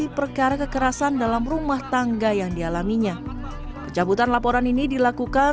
semasa penyelidikan penyelidikan yang berlaku di rumah tangga dan di rumah tangga yang di alaminya pecah butan laporan ini dilakukan